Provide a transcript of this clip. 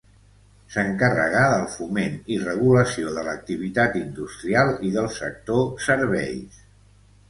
S'encarregà del foment i regulació de l'activitat industrial i del sector serveis.